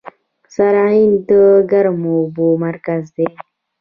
سرعین د ګرمو اوبو مرکز دی.